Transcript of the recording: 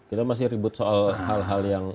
kita masih ribut soal hal hal yang